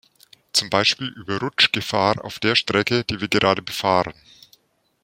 Zum Beispiel über Rutschgefahr auf der Strecke, die wir gerade befahren.